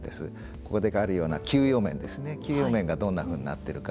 ここにあるような給与面給与面がどんなふうになっているか。